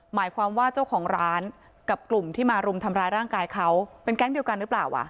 หมายความว่าเจ้าของร้านกับกลุ่มที่มารุมทำร้ายร่างกายเขาเป็นแก๊งเดียวกันหรือเปล่า